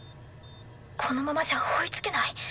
このままじゃ追いつけない。